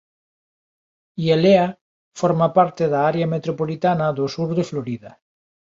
Hialeah forma parte da área metropolitana do Sur de Florida.